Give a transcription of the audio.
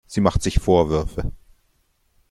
Sie macht sich Vorwürfe.